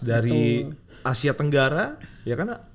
dari asia tenggara ya kan